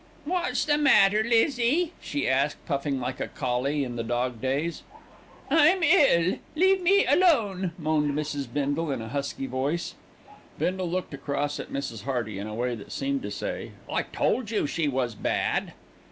"What's the matter, Lizzie?" she asked, puffing like a collie in the Dog Days. "I'm ill. Leave me alone!" moaned Mrs. Bindle in a husky voice. Bindle looked across at Mrs. Hearty, in a way that seemed to say, "I told you she was bad."